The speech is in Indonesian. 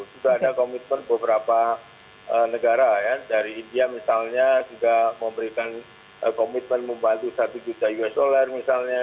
sudah ada komitmen beberapa negara ya dari india misalnya juga memberikan komitmen membantu satu juta usd misalnya